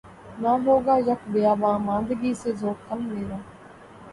نہ ہوگا یک بیاباں ماندگی سے ذوق کم میرا